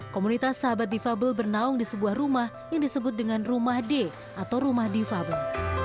komunitas sahabat difabel bernaung di sebuah rumah yang disebut dengan rumah d atau rumah difabel